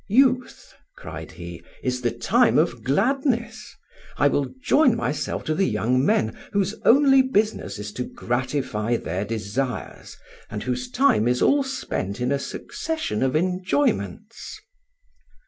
"Youth," cried he, "is the time of gladness: I will join myself to the young men whose only business is to gratify their desires, and whose time is all spent in a succession of enjoyments."